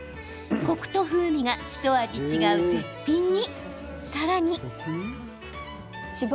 コクと風味がひと味違う絶品に。